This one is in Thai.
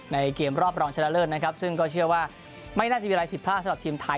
ในเกมรอบรองชนะเลิศนะครับซึ่งก็เชื่อว่าไม่น่าจะมีอะไรผิดพลาดสำหรับทีมไทย